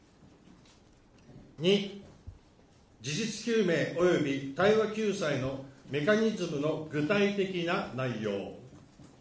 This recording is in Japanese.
２、事実究明及び対話救済のメカニズムの具体的な内容。